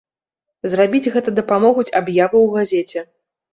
Зрабіць гэта дапамогуць аб'явы ў газеце.